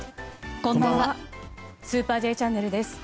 こんばんは「スーパーＪチャンネル」です。